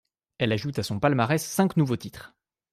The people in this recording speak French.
Elle ajoute, à son palmarès, cinq nouveaux titres.